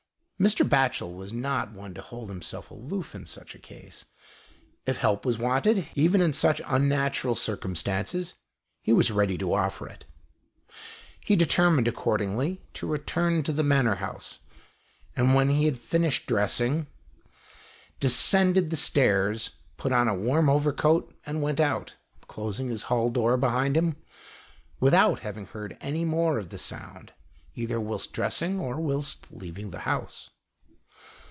Mr. Batchel was not one to hold himself aloof in such a case. If help was wanted, even in such unnatural circum stances, he was ready to offer it. He deter mined, accordingly, to return to the Manor House, and when he had finished dressing, 76 THE EASTERN WINDOW. descended the stairs, put on a warm overcoat and went out, closing his hall door behind him, without having heard any more of the ^ound, either whilst dressing, or whilst leaving the house.